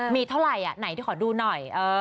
มีเท่าไหร่ไหนที่ขอดูหน่อย